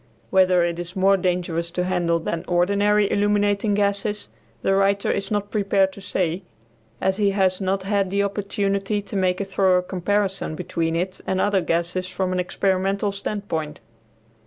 Whether it is more dangerous to handle than ordinary illuminating gases the writer is not prepared to say, as he has not had the opportunity to make a thorough comparison between it and other gases from an experimental standpoint.